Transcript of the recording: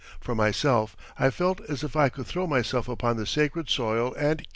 For myself, I felt as if I could throw myself upon the sacred soil and kiss it.